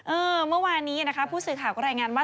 เออเมื่อวานี้นะคะผู้สื่อถามก็แรงงานว่า